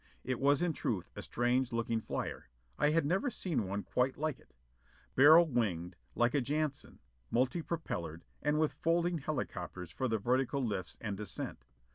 It was in truth a strange looking flyer: I had never seen one quite like it. Barrel winged, like a Jantzen: multi propellored: and with folding helicopters for the vertical lifts and descent.